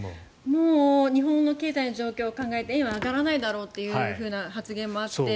もう日本の経済の状況を考えても円は上がらないだろうという発言もあって。